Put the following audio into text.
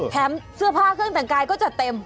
แถมเสื้อผ้าเกวงแต่งกายก็จะเติม